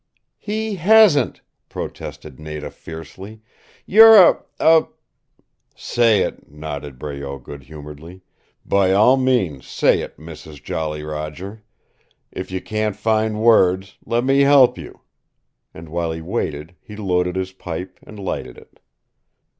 "He hasn't!" protested Nada fiercely. "You're a a " "Say it," nodded Breault good humoredly. "By all means say it, Mrs. Jolly Roger. If you can't find words, let me help you," and while he waited he loaded his pipe and lighted it.